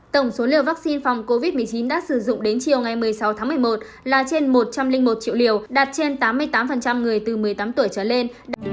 tổng số liều vaccine phòng covid một mươi chín đã sử dụng đến chiều ngày một mươi sáu tháng một mươi một là trên một trăm linh một triệu liều đạt trên tám mươi tám người từ một mươi tám tuổi trở lên